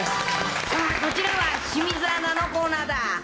さあ、こちらは清水アナのコーナーだ。